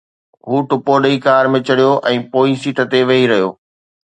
هو ٽپو ڏئي ڪار ۾ چڙهيو ۽ پوئين سيٽ تي ويهي رهيو.